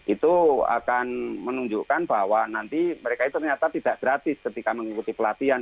itu akan menunjukkan bahwa nanti mereka itu ternyata tidak gratis ketika mengikuti pelatihan